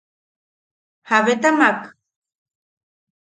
¿Jabetamak?